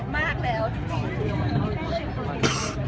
แม่กับผู้วิทยาลัย